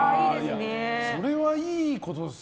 それはいいことですよね。